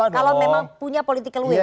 kalau memang punya political will